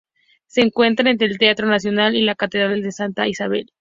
Se encuentra entre el Teatro Nacional y la Catedral de Santa Isabel.